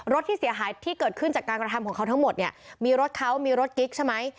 ที่เสียหายที่เกิดขึ้นจากการกระทำของเขาทั้งหมดเนี่ยมีรถเขามีรถกิ๊กใช่ไหม